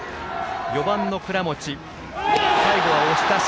４番の倉持、最後は押し出し。